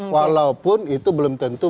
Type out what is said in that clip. walaupun itu belum tentu